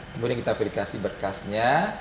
kemudian kita verifikasi berkasnya